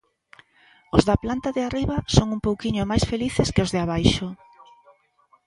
Os da planta de arriba son un pouquiño máis felices que os de abaixo.